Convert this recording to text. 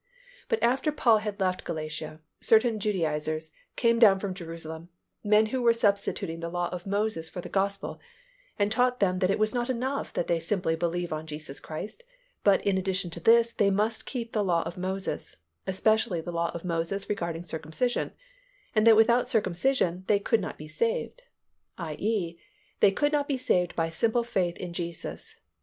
But after Paul had left Galatia, certain Judaizers came down from Jerusalem, men who were substituting the law of Moses for the Gospel and taught them that it was not enough that they simply believe on Jesus Christ but in addition to this they must keep the law of Moses, especially the law of Moses regarding circumcision, and that without circumcision they could not be saved—i. e., they could not be saved by simple faith in Jesus (cf.